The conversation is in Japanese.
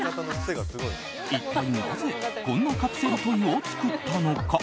一体なぜ、こんなカプセルトイを作ったのか。